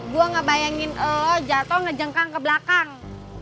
gue gak bayangin lo jatuh ngejengkang ke belakang